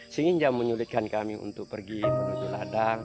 sehingga menyulitkan kami untuk pergi menuju ladang